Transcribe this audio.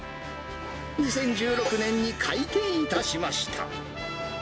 ２０１６年に開店いたしました。